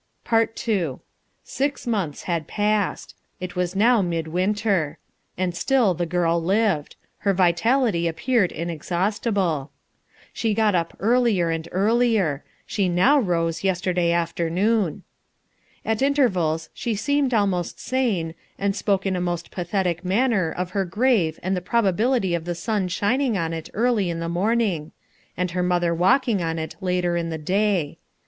PART II Six months had passed. It was now mid winter. And still the girl lived. Her vitality appeared inexhaustible. She got up earlier and earlier. She now rose yesterday afternoon. At intervals she seemed almost sane, and spoke in a most pathetic manner of her grave and the probability of the sun shining on it early in the morning, and her mother walking on it later in the day.